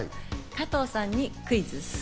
加藤さんにクイズッス！